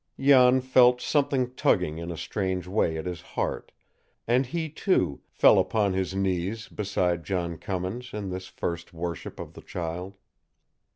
Jan felt something tugging in a strange way at his heart, and he, too, fell upon his knees beside John Cummins in this first worship of the child.